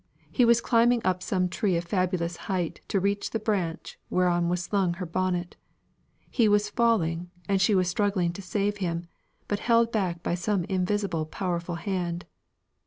He was climbing up some tree of fabulous height to reach the branch whereon was slung her bonnet: he was falling and she was struggling to save him, but held back by some invisible powerful hand.